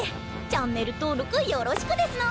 チャンネル登録よろしくですの！